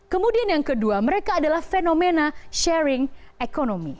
kemudian yang kedua mereka adalah fenomena sharing ekonomi